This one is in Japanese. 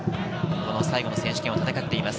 最後の選手権を戦っています。